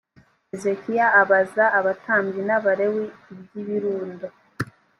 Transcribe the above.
hezekiya abaza abatambyi n abalewi iby ibirundo